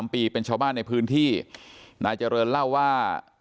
ปีเป็นชาวบ้านในพื้นที่นายเจริญเล่าว่า